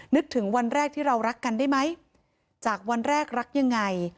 นึกถึงวันแรกที่เรารักกันได้ไหมจากวันแรกรักยังไง